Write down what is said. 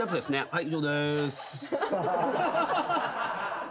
はい。